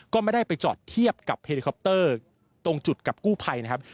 ก็ไม่ได้ไปจอดเทียบกับเฮลิคอปเตอร์ตรงจุดกับกู้ภัยนะครับ